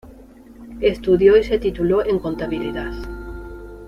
Estudió y se tituló en contabilidad.